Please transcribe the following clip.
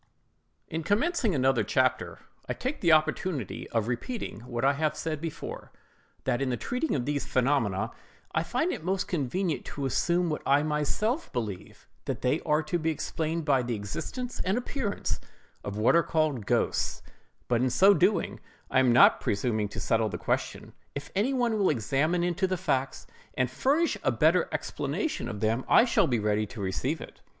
IN commencing another chapter, I take the opportunity of repeating what I have said before, viz., that in treating of these phenomena, I find it most convenient to assume what I myself believe—that they are to be explained by the existence and appearance of what are called GHOSTS; but in so doing, I am not presuming to settle the question: if any one will examine into the facts and furnish a better explanation of them, I shall be ready to receive it.